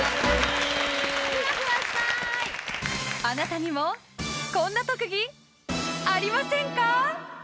あなたにもこんな特技ありませんか？